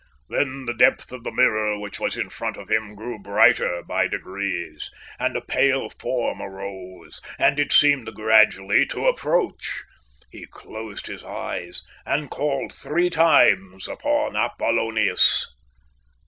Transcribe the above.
Then the depth of the mirror which was in front of him grew brighter by degrees, and a pale form arose, and it seemed gradually to approach. He closed his eyes, and called three times upon Apollonius.